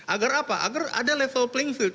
agar apa agar ada level playing field